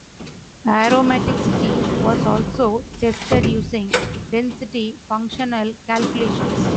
Aromaticity was also tested using density functional calculations.